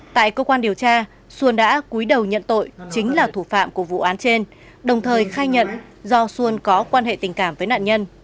tại cơ quan điều tra xuân đã cuối đầu nhận tội chính là thủ phạm của vụ án trên đồng thời khai nhận do xuân có quan hệ tình cảm với nạn nhân